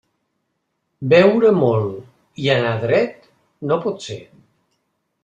Beure molt i anar dret no pot ser.